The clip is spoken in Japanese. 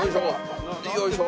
よいしょ。